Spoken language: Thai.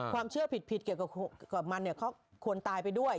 ความเชื่อผิดเกี่ยวกับมันเขาควรตายไปด้วย